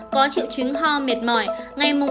có triệu chứng ho mệt mỏi